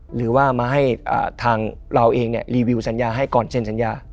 หรือว่ามาให้ทางเราเองรีวิวสัญญาให้ก่อนเซ็นสัญญา